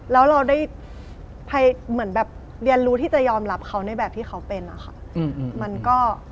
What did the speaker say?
แล้วเราได้เรียนรู้ที่จะยอมรับเขาในแบบที่เขาเป็นค่ะ